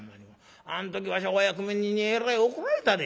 あん時わしはお役人にえらい怒られたで。